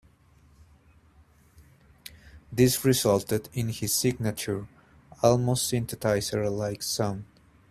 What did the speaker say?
This resulted in his signature, almost synthesizer-like sound.